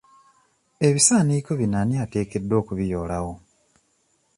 Ebisaaniiko bino ani ateekeddwa okubiyoolawo?